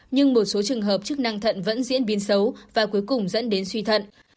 nhưng một số trường hợp chức năng thận vẫn diễn biến xấu và cuối cùng dẫn đến suy thận